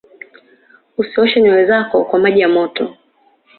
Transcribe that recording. usioshe nywere zako kwa maji ya moto